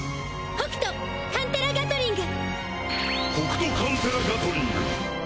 ホクトカンテラガトリング。